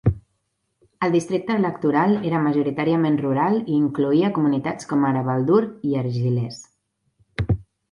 El districte electoral era majoritàriament rural i incloïa comunitats com ara Baldur i Argyles.